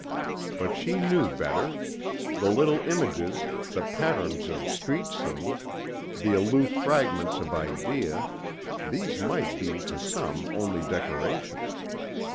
But she knew better. The little images, the patterns of street scenes, the aloof fragments of idea these might be to some only decorations.